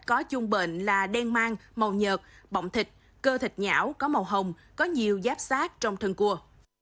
có chung bệnh là đen mang màu nhợt bọng thịt cơ thịt nhảo có màu hồng có nhiều giáp sát trong thân cua